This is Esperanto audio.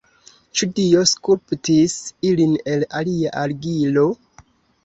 Ĉu Dio skulptis ilin el alia argilo?